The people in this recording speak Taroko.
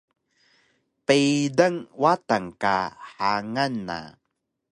Peydang Watan ka hangan na